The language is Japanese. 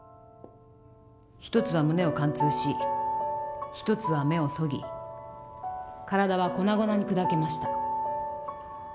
一つは胸を貫通し一つは目をそぎ体は粉々に砕けました。